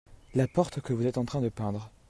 La porte que vous être en train de peindre.